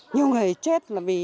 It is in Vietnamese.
nhiều người chết là vì